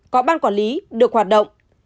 có ban quản lý được hoạt động